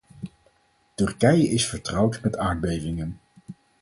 Turkije is vertrouwd met aardbevingen.